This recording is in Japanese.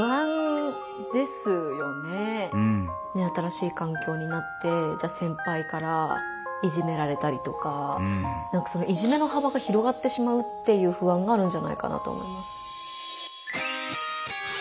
新しい環境になってじゃ先輩からいじめられたりとかいじめの幅が広がってしまうっていう不安があるんじゃないかなと思います。